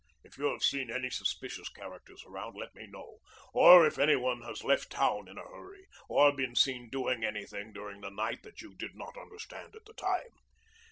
If you have seen any suspicious characters around, let me know. Or if any one has left town in a hurry or been seen doing anything during the night that you did not understand at the time.